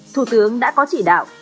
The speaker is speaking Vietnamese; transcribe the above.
thủ tướng đã có chỉ đạo